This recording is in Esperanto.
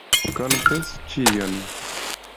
Konfesu ĉion.